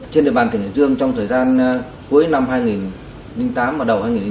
trên địa bàn cảnh hải dương trong thời gian cuối năm hai nghìn tám và đầu hai nghìn chín